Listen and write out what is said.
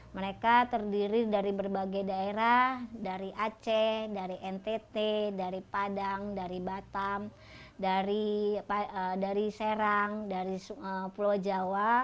mereka terdiri dari berbagai daerah dari aceh dari ntt dari padang dari batam dari serang dari pulau jawa